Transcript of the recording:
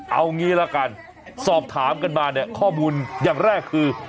เอางี้ละกันสอบถามกันมาเนี่ยข้อมูลอย่างแรกคือ